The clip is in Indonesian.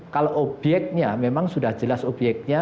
kalau obyeknya memang sudah jelas obyeknya